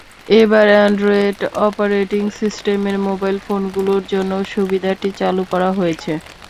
এবার Android operating সিস্টেমের mobile ফোনগুলোর জন্যও সুবিধাটি চালু করা হয়েছে।